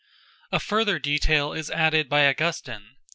A further detail is added by Augustine.